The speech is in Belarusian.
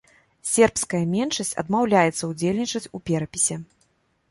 Сербская меншасць адмаўляецца ўдзельнічаць у перапісе.